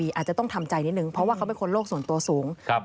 อาจจะต้องทำใจนิดนึงเพราะว่าเขาเป็นคนโลกส่วนตัวสูง